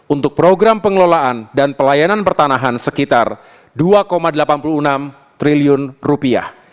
untuk program pengelolaan dan pelayanan pertanahan sekitar dua delapan puluh enam triliun rupiah